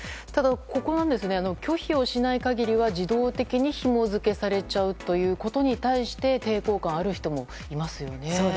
ここの拒否をしない限りは自動的にひも付けされちゃうことに抵抗感がある人もいますよね。